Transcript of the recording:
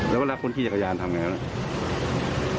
แล้วเวลาคนขี่จักรยานทำไงครับ